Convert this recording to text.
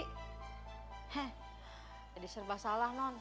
hei jadi serba salah non